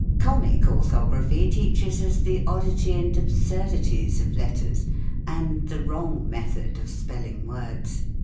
Comic Orthography teaches us the oddity and ab surdities of letters, and the wrong method of spelling words.